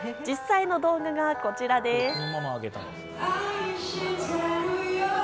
実際の動画がこちらです。